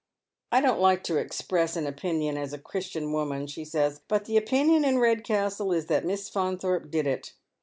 " I don't like to express an opinion as a Christian woman," she says, " but the opinion in Redcastle is that Miss Faunthorpe did it.